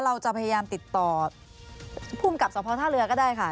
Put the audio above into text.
เราจะพยายามติดต่อภูมิกับสภท่าเรือก็ได้ค่ะ